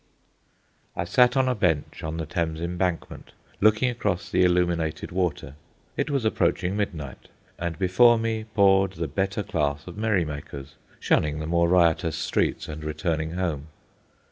I sat on a bench on the Thames Embankment, looking across the illuminated water. It was approaching midnight, and before me poured the better class of merrymakers, shunning the more riotous streets and returning home.